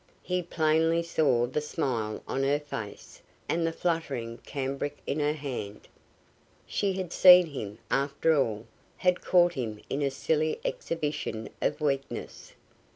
He plainly saw the smile on her face, and the fluttering cambric in her hand. She had seen him, after all, had caught him in a silly exhibition of weakness.